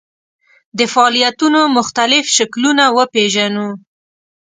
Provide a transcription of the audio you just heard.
د فعالیتونو مختلف شکلونه وپېژنو.